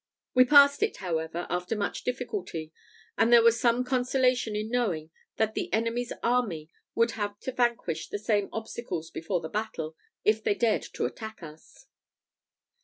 We passed it, however, after much difficulty; and there was some consolation in knowing that the enemy's army would have to vanquish the same obstacles before the battle, if they dared to attack us.